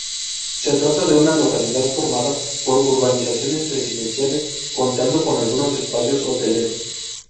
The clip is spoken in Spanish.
Se trata de una localidad formada por urbanizaciones residenciales, contando con algunos espacios hoteleros.